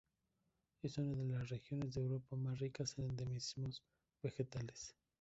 Es una de las regiones de Europa más ricas en endemismos vegetales.